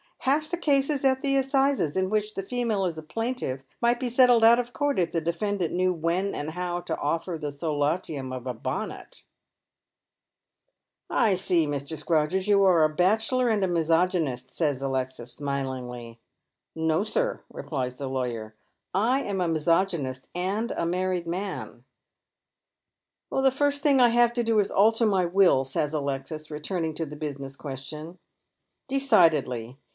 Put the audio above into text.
Half the cases at the assizes, in which the female is a plaintiff, might be settled out of court if the defendant knew when and how to offw the solatium of « bonnet." 280 DecK^ Men's Shoes. " I see, Mr, Scrodgers, you are a bachelor and a misogyniBt," Bays Alexis, smilingly. " No, sir," replies the lawyer, *' I am a misogynist, and a mam'ed man," " The first thing I have to do is to alter my will," says Alexis, returning to the business question. "Decidedly.